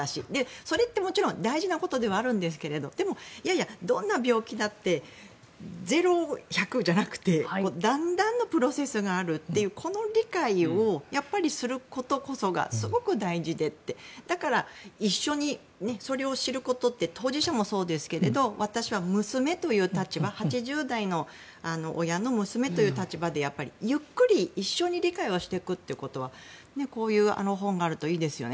それってもちろん大事なことではあるんですがでも、いやいやどんな病気だってゼロから１００じゃなくてだんだんのプロセスがあるという理解をすることこそがやっぱり、すごく大事でだから、一緒にそれを知ることって当事者もそうですけど私は８０代の親の娘という立場でゆっくり、一緒に理解をしていくということはこういう本があるといいですよね。